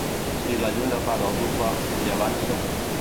Si la lluna fa galdufa, llevant segur.